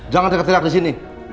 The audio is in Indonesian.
jangan deket deket disini